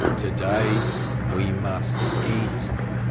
To day we must eat.